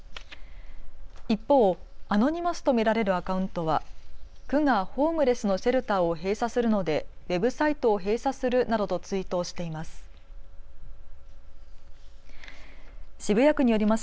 一方、アノニマスと見られるアカウントは区がホームレスのシェルターを閉鎖するのでウェブサイトを閉鎖するなどとツイートをしています。